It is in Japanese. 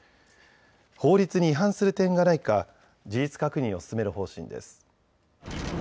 法律に違反する点がないか事実確認を進める方針です。